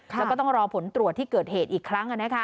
แล้วก็ต้องรอผลตรวจที่เกิดเหตุอีกครั้ง